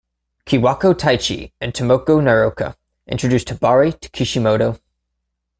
Kiwako Taichi and Tomoko Naraoka introduced Hibari to Kishimoto.